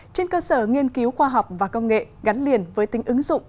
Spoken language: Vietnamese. trên cơ sở nghiên cứu khoa học và công nghệ gắn liền với tính ứng dụng